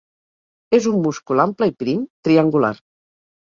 És un múscul ample i prim, triangular.